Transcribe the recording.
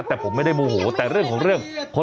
แต่ผมไม่ได้โมโหแต่เรื่องของเรื่อง